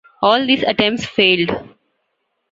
All these attempts failed.